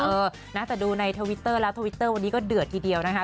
เออนะแต่ดูในทวิตเตอร์แล้วทวิตเตอร์วันนี้ก็เดือดทีเดียวนะคะ